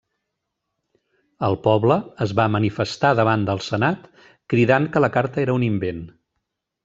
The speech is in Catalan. El poble es va manifestar davant el senat cridant que la carta era un invent.